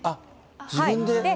自分で。